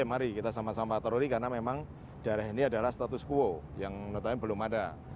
mari kita sama sama patroli karena memang daerah ini adalah status quo yang notanya belum ada